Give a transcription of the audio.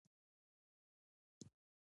ازادي راډیو د د انتخاباتو بهیر ته پام اړولی.